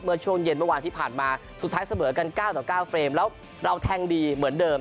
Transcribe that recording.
ช่วงเย็นเมื่อวานที่ผ่านมาสุดท้ายเสมอกัน๙ต่อ๙เฟรมแล้วเราแทงดีเหมือนเดิม